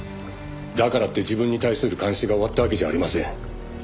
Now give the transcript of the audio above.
「だからって自分に対する監視が終わったわけじゃありません」